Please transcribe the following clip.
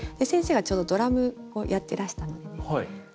先生がちょうどドラムをやってらしたのでね。